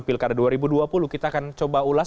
pilkada dua ribu dua puluh kita akan coba ulas